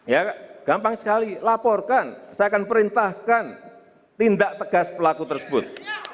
ya gampang sekali laporkan saya akan perintahkan tindak tegas pelaku tersebut